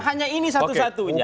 hanya ini satu satunya